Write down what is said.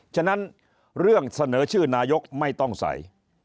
ฉะนั้นเรื่องเสนอชื่อนายกไม่ต้องใส่